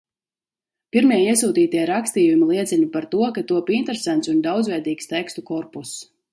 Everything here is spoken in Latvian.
Pirmie iesūtītie rakstījumi liecina par to, ka top interesants un daudzveidīgs tekstu korpuss.